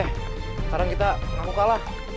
sekarang kita ngaku kalah